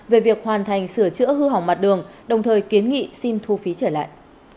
về việc hoàn thành sửa chữa hư hỏng mặt đường đồng thời kiến nghị xin thu phí trở lại